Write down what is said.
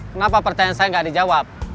kenapa pertanyaan saya nggak dijawab